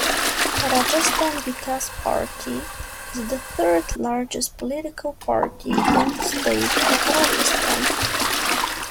Rajasthan Vikas Party is the third largest political party in the state of Rajasthan.